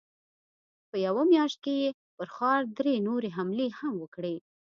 په يوه مياشت کې يې پر ښار درې نورې حملې هم وکړې.